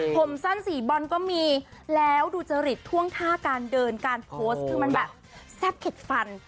ผมสั้นสีบอลก็มีแล้วดูจริตท่วงท่าการเดินการโพสต์คือมันแบบแซ่บเข็ดฟัน